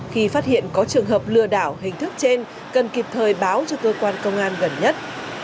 khi phát hiện có trường hợp lừa đảo hình thức trên cần kịp thời báo cho cơ quan công an gần nhất